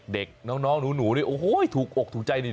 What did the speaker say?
เด็กน้องหนูนี่โอ้โหถูกอกถูกใจดี